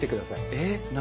えっ何？